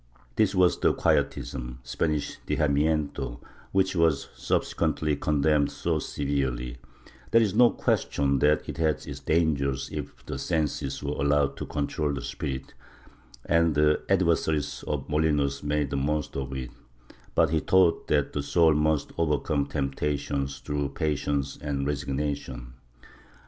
^ This was the Quietism — the Spanish Dejaviiento — which was subsequently condemned so severely; there is no question that it had its dangers if the senses were allowed to control the spirit, and the adversaries of Molinos made the most of it, but he taught that the soul must overcome temptation through patience and resignation.